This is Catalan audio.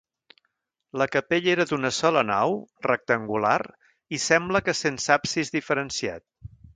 La capella era d'una sola nau, rectangular i sembla que sense absis diferenciat.